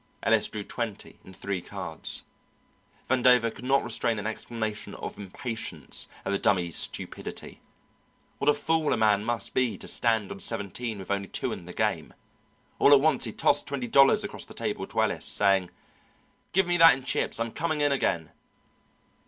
Ellis drew twenty in three cards. Vandover could not restrain an exclamation of impatience at the Dummy's stupidity. What a fool a man must be to stand on seventeen with only two in the game. All at once he tossed twenty dollars across the table to Ellis, saying, "Give me that in chips. I'm coming in again."